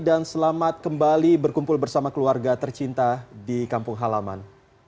dan selamat kembali berkumpul bersama keluarga tercinta di kampung halaman